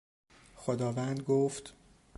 خداوند گفت